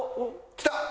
きた！